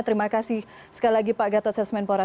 terima kasih sekali lagi pak gatot sesmenpora